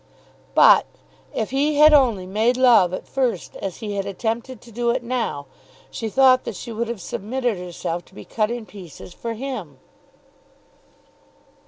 But if he had only made love at first as he had attempted to do it now, she thought that she would have submitted herself to be cut in pieces for him.